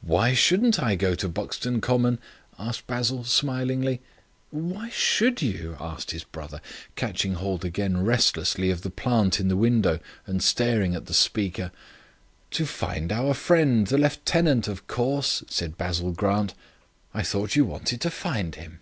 "Why shouldn't I go to Buxton Common?" asked Basil, smiling. "Why should you?" said his brother, catching hold again restlessly of the plant in the window and staring at the speaker. "To find our friend, the lieutenant, of course," said Basil Grant. "I thought you wanted to find him?"